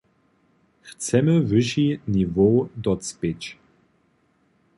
Chcemy wyši niwow docpěć.